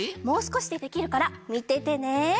もうすこしでてきるからみててね。